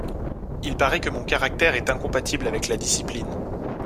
Il paraît que mon caractère est incompatible avec la discipline.